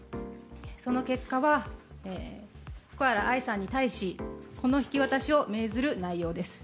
その結果は、福原愛さんに対し、子の引き渡しを命ずる内容です。